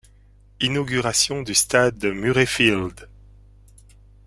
Inauguration du Stade de Murrayfield.